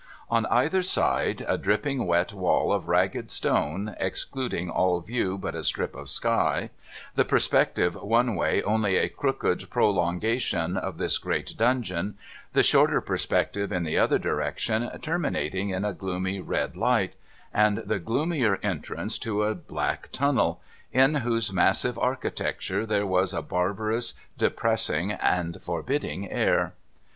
On either side, a dripping wet wall of jagged stone, excluding all view but a strip of sky ; the perspective one way only a crooked prolongation of this great dungeon ; the shorter persi)ective in the other direction terminating in a gloomy red light, and the gloomier entrance to a black tunnel, in whose massive architecture there was a barbarous, depressing, and forbidding air.